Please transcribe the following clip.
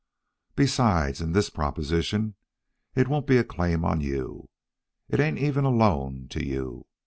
Besides, in this proposition it won't be a claim on you. It ain't even a loan to you.